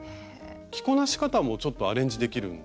着こなし方もちょっとアレンジできるんですよね。